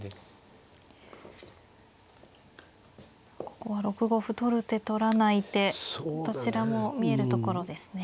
ここは６五歩取る手取らない手どちらも見えるところですね。